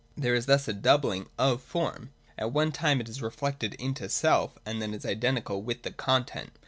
There is thus a doubling of form. At one time it is reflected into itself; and then is identical with the content.